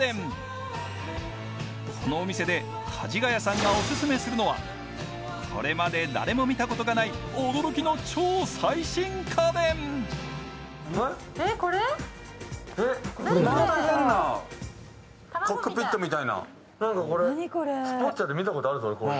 このお店でかじがやさんがオススメするのはこれまで誰も見たことがないまた変な何かこれ